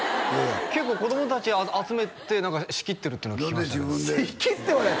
結構子供達集めて何か仕切ってるっていうのは聞きましたね仕切ってはない！